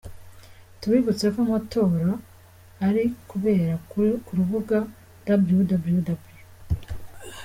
Tubibutse ko amatora ari kubera ku rubuga www.